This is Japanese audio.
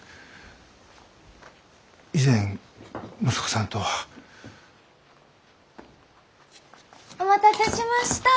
以前息子さんとは。お待たせしました！